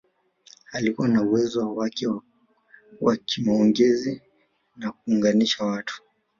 Alikuwa na uwezo wake wa kimaongezi na kuunganisha watu